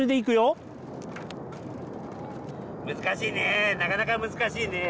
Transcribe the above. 難しいねぇなかなか難しいねぇ。